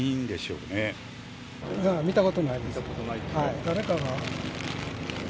見たことないですよ。